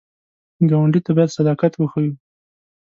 ګاونډي ته باید صداقت وښیو